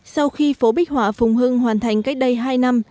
sau khi phố bích họa phùng hưng hoàn thành cách đây hai năm